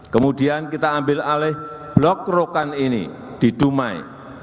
kemudian kita ambil alih blok rokan ini di dumai